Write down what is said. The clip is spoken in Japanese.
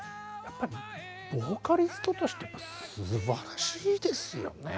ボーカリストとしてすばらしいですよね。